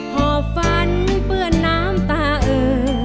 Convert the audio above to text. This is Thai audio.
หอบฝันเปื้อนน้ำตาเอ่อ